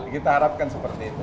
kita harapkan seperti itu